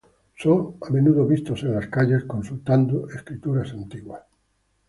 Son a menudo vistos en las calles que consultando escrituras antiguas.